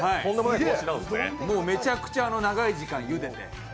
もうめちゃくちゃ長い時間ゆでて。